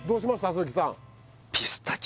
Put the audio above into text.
鈴木さん